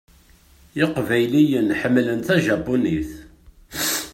Iqbayliyen ḥemmlen tajapunit.